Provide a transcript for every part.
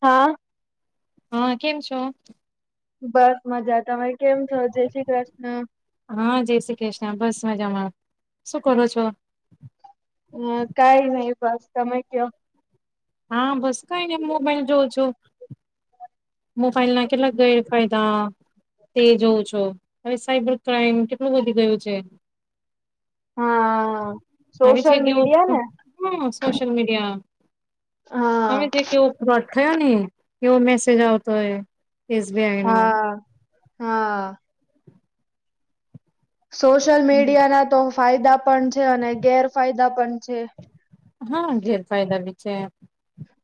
હા હા કેમ છો બસ મજા તમે કેમ છો જય શ્રી કૃષ્ણ હા જય શ્રી કૃષ્ણ બસ મજામાં શું કરો છો હ કઈ નહી બસ તમે કયો હા બસ કઈ ને મોબાઈલ જોઉ છુ મોબાઈલ ના કેટલા ગેર ફાયદા તે જોઉં છો હવે સાઈબર ક્રાઈમ કેટલું વધી ગયું છે હા આવું છે સોશિયલ કેવું મીડિયા ને હમ્મ સોશિયલ મીડિયા હા હવે જે કેવો ફ્રોડ થયો ને એવો મેસેજ આવતો એ હા હા સોશિયલ મીડિયા ના તો ફાયદા પણ છે અને ગેરફાયદા પણ છે હા ગેરફાયદા બી છે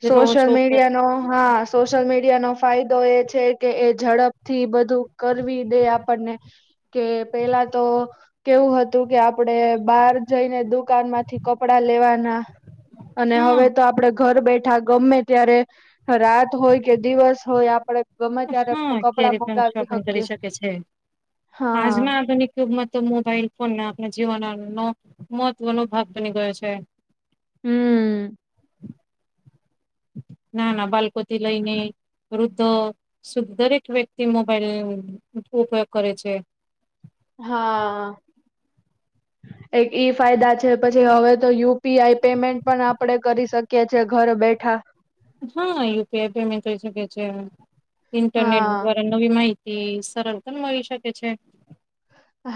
જેટલો ઓછો સોશલ ઉપયોગ કરે મીડિયાનો હા સોશિયલ મીડિયાનોો ફાયદો એ છે કે એ ઝડપ થી બધું કરવી દે આપણને કે પેલા તો કેવું હતું કે આપડે બહાર જઈને દુકાન માંથી કપડા લેવાના અને હા હવે તો આપડે ઘર બેઠ બેઠા ગમે ત્યારે રાત હોય કે દિવસ હોય આપડે ગમે ત્યારે હમ્મ કપડા ક્યારેક પણ મગાવી શોપિંગ શકીએ. કરી શકે છે હા આજમાં આધુનિક ક્યુબમાં તો મોબાઈલ ફોનને આપણા જીવન નો મહત્વનો ભાગ બની ગયો છે હમ્મ ના ના બાલકોથી લઈને વૃધો શ દરેક વ્યક્તિ મોબાઈલ ઉપયોગ કરે છે હા એક ઈ ફાયદા છે પછી હવે તો યુપીઆઈ પેમેન્ટ પણ આપડે કરી શકીએ છેએ ઘર બેઠા હા યુપીઆઈ પેમેન્ટ દઈ શકે છે ઇન્ટરનેટ હા દ્વારા નવી માહિતી સરળ પણ મળી શકે છે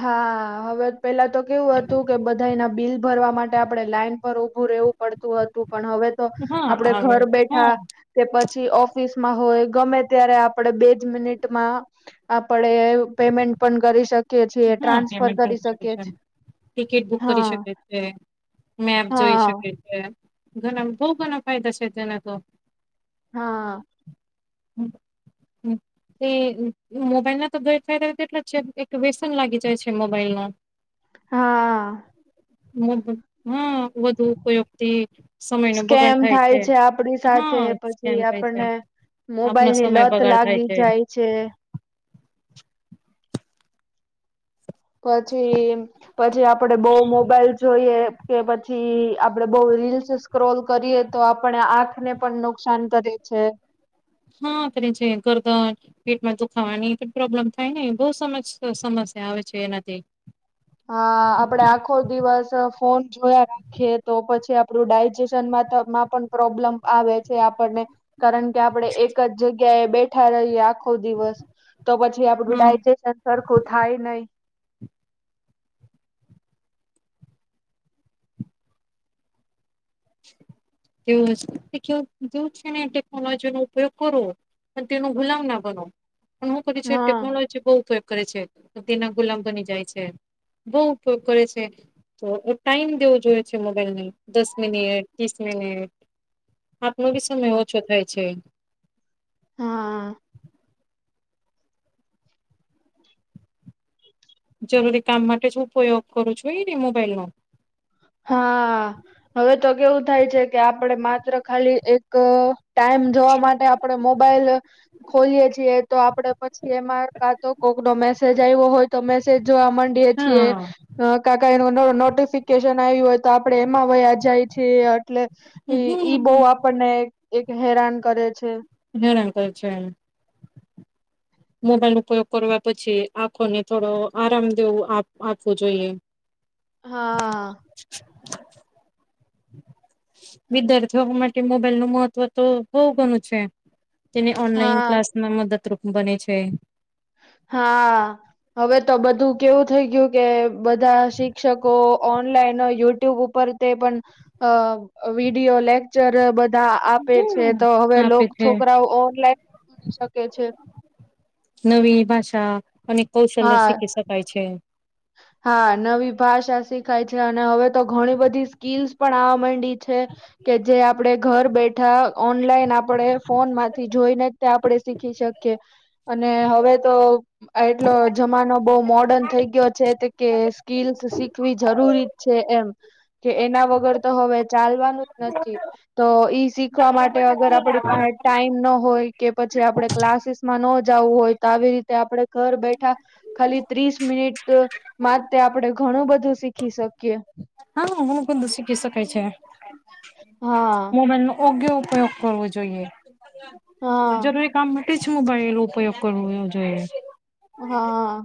હા હવે પેલા તો કેવું હતું કે બધા ના બિલ ભરવા માટે આપડે લાઈન પર ઉભું રહેવું પડતું હતું પણ હવે તો હા આપડે આવે ઘર હા બેઠા કે પછી ઓફિસમાં હોય ગમે ત્યારે આપણે બેજ મિનિટમાં આપડે પેમેન્ટ પણ કરી શકીએ છીએ હા ટ્રાન્સફર પેમેન્ટ પણ કરી શકે શકીએ છે ટિકિટ બુક કરી હા શકે છે મેપ જોઈ હા શકે ઘણા બઉ ઘણા ફાયદા છે તેના તો હા હમ એ મોબાઈલ ના તો બે ફાયદા તેટલા જ છે વસન લાગી જાય છે મોબાઈલમાં હા હ હમ વધુ ઉપયોગ થી સમય નો બગાડ સ્કેમ થાય છે આપડી સાથે હા કેમ પછી થાય છે આપણને આપનો મોબાઈલની સમય લત બગાડ થાય લાગી છે. જાય છે પછી પછી આપડે બહ મોબાઈલ જોઈએ કે પછી આપડે બઉ રીલ્સ સ્ક્રોલ કરીએ તો આપણે આંખ ને પણ નુકસાન કરે છે. હા ત છે કરતા પેટમાં દુખાવાની પ્રોબ્લેમ થાય ને બહ સમસ્યા આવે છે એનાથી, હા આપડે આખો દિવસ, ફોન જોયા રાખીએ તો પછી આપડું ડાયજેશનમાં પણ પ્રોબ્લેમ, આવે છે આપણને કારણ કે આપણેે એક જ જગ્યા જગ્યા બેઠા રહીએ આખો દિવસ તો પછી આપડું હા ડાયજેશન સરખું થાય નહી તેવું હ કેવ જેવું છે ને ટેકનોલોજી નો ઉપયોગ કરવો પણ તેનો ગુલામ ના બનો પણ હું કરી છે હા ટેકનોલોજી બહ કરે છે તે ના ગુલામ બની જાય છે. બહુ ઉપયોગ કરે છે તો એ ટાઈમ દેવો જોઈએ છે મોબાઈલ ને દસ મિનિટ ત્રીસ મિનિટ આપનો બી સમય હા ઓછો થાય છે હા જરૂરી કામ માટે હ ઉપયોગ કરું છું એને મોબાઈલ નો હા હવે તો કેવું થાય છે કે આપડે માત્ર ખાલી એક ટાઈમ જોવા માટે આપડે મોબાઈલ ખોલીએ છીએ તો આપડે પછી એમાં કા તો કોક નો મેસેજ આવ્યો હોય તો મેસેજ જોવા કે છે હા. કાકા એન નોટિફિકેશન જ હોય તો આપડે એમાં વ જાય છે એટલે ઈ હમ બહ આપણને એક હેરાન કરે છે જણા કર છે મોબાઈલ ઉપયોગ કરવા પછી આંખોને થોડો આરામ દેવું આપવું જોઈએ હા વિદ્યાર્થીઓ માટે મોબાઈલ નું મહત્વ તો બઉુ ઘણું છે તેને ઓનલાઈન હા ક્લાસમાં મદદરૂપ બને છે હા હવે તો બધું કેવું થઈ ગયું કે બધા શિક્ષકો ઓનલાઈન યુટ્યુબ ઉપર તે પણ વિડીયો લેક્ચર બધ આપે છે હમ તો હવે આપે છે. છોકરાઓ ઓનલાઈન પણ ભણી શકે છે. નવી ભાષા અને કૌશલ્ય હા શખી શકાય છે. હા નવી ભાષા શીખાય છે, અને હવે તો ઘણી બધી સ્કીલસ પણ આવા માંડી. છે, કે જે આપડે ઘર બેઠા ઓનલાઈન આપડે ફોનમાંથી જોઈને જ તે આપણેે શીખી શકીએ. અને હવે તો એટલો જમાનો બહુ મોડર્ન થઈ ગયો છે તે કે સ્કીલસ શીખવી જરૂરી છે એમ. કે એના વગર તો હવે ચાલવાનું જ નથી, તો ઈ શીખવા માટ ટે અગર આપડી પાહે ટાઈમ ન હોય કે, પછી આપણે ક્લાસીસ માં ન જવું હોય, તો આવી રીતે આપડે ઘર બેઠા ખાલી ત્રીસ મિનિટ તો માટે આપણેે ઘણું બધું શીખી શકીએ. હા હુ પન બધુ શીખી શકાય છે, હા મોબાઈલ નો યોગ્ય ઉપયોગ કરવો જોઈએ હા જરૂરી કામ માટેજ મોબાઈલ નો ઉપયોગ કરવો જોઈએ. હા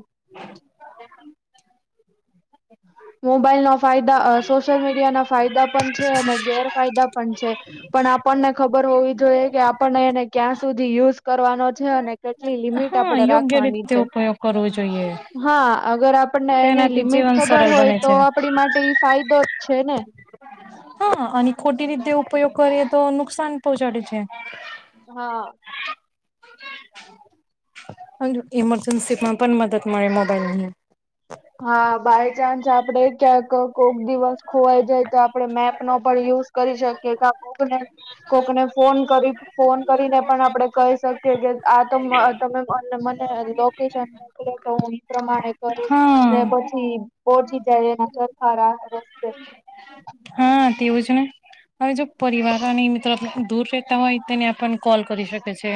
મોબાઈલ નો ફાયદા, સોશિયલ મીડિયા ના ફાયદા પણ છે, અને ગેરફાયદા પણ છે. પણ આપણને ખબર હોવી જોઈએ કે આપણને એને ક્યાં સુધી યુઝ કરવાનો છે, અને કેટલી લિમિટ તો હા આપડે યોગ્ય રાખવાની રીતે છે, ઉપયોગ કરવો જોઈએ હા અગર આપને એની તેનાથી લિમિટ જીવન ખબર સરળ હોય બને તો છે આપડી માટે ઈ ફાયદો જ છે ને. હા અને ખોટી રીતે ઉપયોગ કરીએ તો નુકસાન પહોંચાડે છે. હા. અને ઇમરજન્સી માં પણ મદદ મળે મોબાઈલ ની હા બાયચાન્સ આપડે ક્યાંક કોક દિવસ ખોવાઈ જાય તો આપડે મેપ નો પણ યુઝ કરી શકીએ કા કોકને કોકને ફોન કરી ફોન કરીને પણ આપડે કહી શકીએ કે આ તો મ તમે મને મને લોકેશન મોકલો તો હું એ પ્રમાણે કરું ને હા. પછી, પહોંચી જાય એના ચરથરા રસ્તે હા, તેવું જ ને. હવે જો પરિવાર અને મિત્રો દૂર રહેતા હોય તેને આપણ કોલ કરી શકે છે.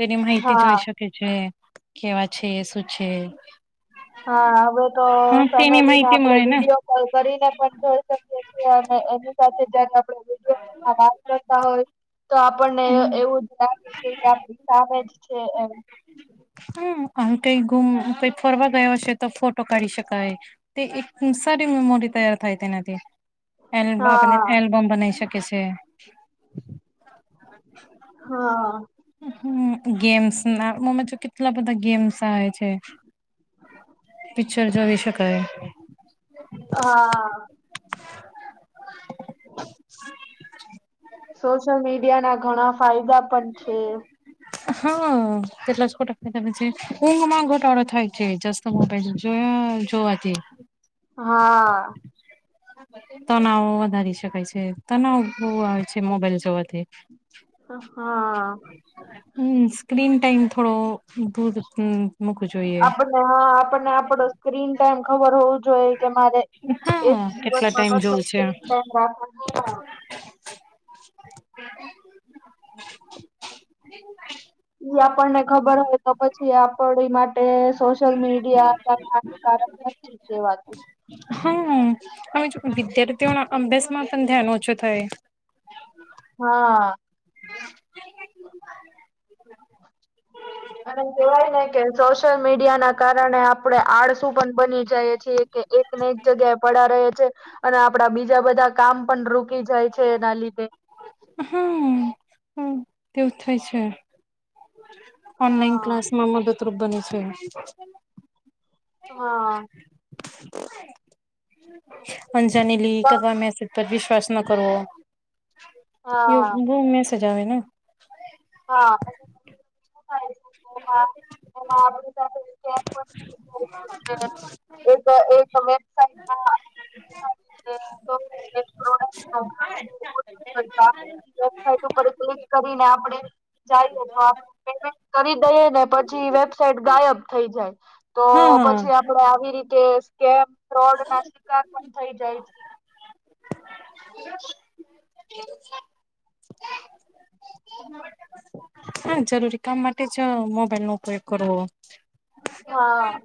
તેની મિર્તિ હા જોઈ શકે છે, કેવા છે, શું છે. હા હવેતો હા તેની ફેમિલીને માહિતી આપડે મળે ને વિડીયો કોલ કરીને પણ જોઈ શકીએ છીએ, અને એની સાથે જયારે આપ વિડીયો નો આવાઝ કરતા હોય, તો આપણને એ હમ એવું જ લાગે કે, ઈ આપડી સામે જ છે એમ, હમ્મ આમ કઈ ગુમ કઈ ફરવા ગયો છે તો ફોટો કાઢી શકાય. તે એક સારી મેમોરી તૈયાર થાય તેનાથી. એલ આપણને હા એલ્બમ બનાવી શકે છે. હા... હમ્મ, ગેમ્સ ના મમે તો કેટલા બધા ગેમ્સ આવે છે. પિક્ચર જોવી શકાય હા. [inaudible] સોશિયલ મીડિયા ના ઘણા ફાયદા પણ છે. હા, તેટલા ખોટા ફાયદા પણ છે. ઊંઘ માં ઘોટાડો થાય છે, જાસ્ટ મોબાઇલ જોયા જોવાથી. હા. તનાવ વધારી શકાય છે, તનાવ બહુ આવે છે મોબાઈલ જોવાથી. હા.. હમ્મ, સ્ક્રીન ટાઈમ થોડો, દૂધ મૂકવું જોઈએ. આપણને હા, આપણને આપડો સ્ક્રીન ટાઈમ ખબર હોવુજ જોયે, કે મારે હા એક દિવશ કેટલા મા ટાઈમ કેટલો જોવું છે સ્ક્રીન ટાઇમ રાખવો જોઈએ ઈ આપણ ને... ખબર હોય, તો પછી આપડી માટે સોશિયલ મીડિયા કારણ નથી. કેવાતું હને [unintelligible] વિદ્યાર્થીઓના અભ્યાસમાં પણ ધ્યાન ઓછો થય હા. અને કેવાય ને કે, સોશિયલ મીડિયા ના કારણે આપડણે આળસું પણ બની જાય છીએ. કે એકને એક જગ્યાએ પડા રહે છે.... અને આપડા બીજા બધા કામ પણ રૂકી જાય છે એના લીધે. હમ્મ હમ્મ તેવું થાય છે. ઓનલાઈન હા ક્લાસ માં મદદરૂપ બની છે. હા. [unintelligible] પર વિશ્વાસ ન કરવો, એ હા બવ મેસેજ આવે ને. હા, [unintelligible] થઈ જાય [inaudible] એક એક વેબસાઇટમાં [unintelligible] પ્રોડક્ટ હ, આપ વેબસાઇટ ઉપર ક્લિક કરીને આપણે..... તો આપડ પેમેન્ટ કરી દઈએ ને પછી વેબસાઇટ ગાયબ થઈ જાય. તો હા હા પછી આપડે આવી રીતે સ્કેમ ફ્રોડ ના શિકાર પણ થઈ જાય છે. [unintelligible] [inaudible] હા જરૂરી કામ માટે જ મોબાઈલ નો ઉપયોગ કરવો. હા.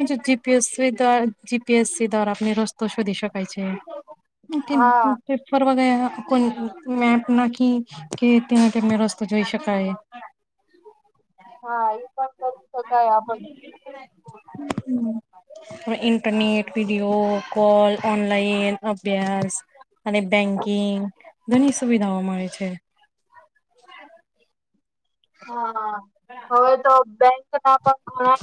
જી જીપીએસસી દ્વાર જીપીએસસી દ્વારા આપને રસ્તો શોધી શકાય છે. હા [unintelligible] ફરવા ગયા કોઈ મેપ નાખી કે ત્યાં તેમને રસ્તો જોઈ શકાય. હા એ પણ કરી શકાય આપડે હમ્મ આ ઇન્ટરનેટ વિડીયો કોલ ઓનલાઈન અભ્યાસ અને બેન્કિંગ ઘણી સુવિધાઓ મળે છે. હા હવે તો બેંક ઘણા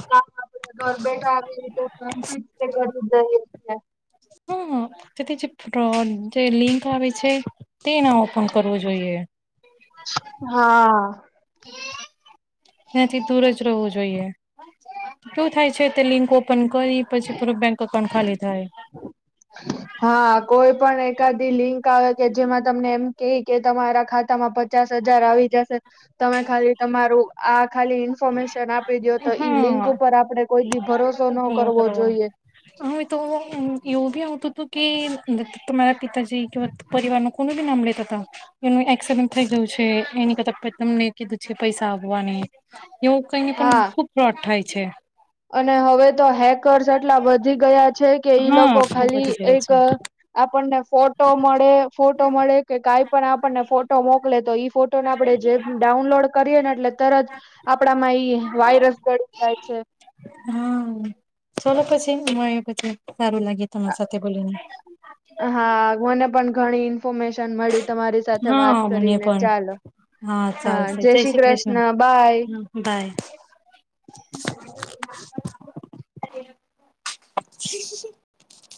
કામ આપ ઘર બેઠા આવી રીતે [unintelligible] કરી દઈએ હમ્મ તેથી જે ફ્રોડ જે લિંક આવે છે. તે ના ઓપન કરવું જોઈએ. હા. તેના થી દૂર જ રહેવું જોઈએ શું થાય છે તે લિંક ઓ ઓપન કરી પછી પૂરો બેંક અકાઉન્ટ ખાલી થાય [inaudible] હા કોઈ પણ એકાદી લિંક આવે કે જેમાં તમને એમ કેય કે તમારા ખાતામાં પ પચાસ હજાર આવી જશે તમે ખાલી તમારું આ ખાલી ઇન્ફોર્મેશન આપ આપી દિયો તો ઈ લિંક હા ઉપર આપડે કોઈ દી ભરોસો ન કરવો જોઈએ. હ તો એવું બી આવતુ હતુ કે તમા તમારા પિતાજી પરિવાર નુ કો નુ બી નામ લેતા હતા એનું એક્સિડન્ટ થઈ ગયું છે, એની કતા તમને કીધું છે, પૈસા આવવાની એવું કઈને પણ હા ખુબ ફ્રોડ થાય છે. અને હવે તો હેકર્સ એટલા વધી ગયા છે, કે ઈ હા લોકો ખુબ ખાલી વધી ગયો એક છે. આપણને ફોટો મળે ફોટો મળે કે કઈ પણ આપણને ફોટો મોકલે તો ઈ ફોટો ને આપડે જે ડાઉનલોડ કરીએ ને એટલે તરત આપણામાં ઈ વાયર વાયરસ ચડી જાય છે. હા ચલો પછી મળી પછી સારું લાગે. તમારી સાથે બોલીને હા મને પણ ઘણી ઇન્ફોર્મશન મળી તમારી સાથે વાત હા મને કરીને પણ ચાલો હા જય શ્રી કૃષ્ણ બાય. હમ બાય. [inaudible]